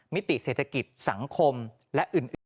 มิติเศรษฐกิจสังคมและอื่น